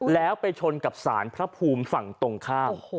แล้วไปชนกับสารพระภูมิฝั่งตรงข้าม